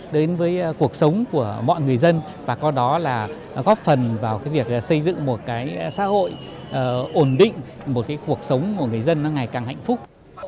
đến với cuộc sống của mọi người dân và có đó là góp phần vào việc xây dựng một xã hội ổn định một cuộc sống của người dân ngày càng hạnh phúc